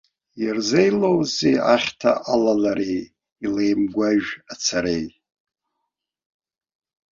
Ирзеилоузеи ахьҭа алалареи илеимгәажә ацареи?